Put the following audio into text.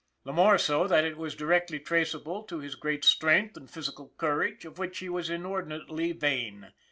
The more so that it was directly traceable to his great strength and physical courage of which he was inordinately vain.